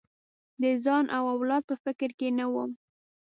د ځان او اولاد په فکر کې نه وم.